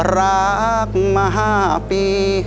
รักมา๕ปี